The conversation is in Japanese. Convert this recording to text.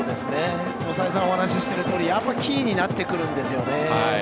再三お話しているとおりやっぱりキーになってくるんですよね。